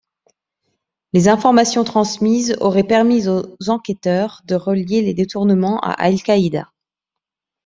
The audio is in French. Les informations transmises auraient permis aux enquêteurs de relier les détournements à Al-Qaïda.